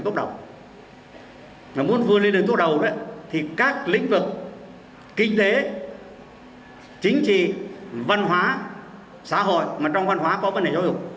mà muốn vươn lên đến tốt đầu thì các lĩnh vực kinh tế chính trị văn hóa xã hội mà trong văn hóa có vấn đề giáo dục